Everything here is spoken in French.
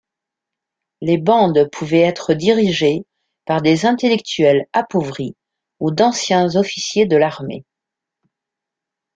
Les bandes pouvaient être dirigées par des intellectuels appauvris ou d'anciens officiers de l'armée.